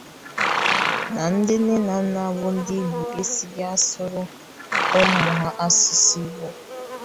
na ndị nne na nna bụ ndị Igbo esighị asụrụ ụmụ ha asụsụ Igbo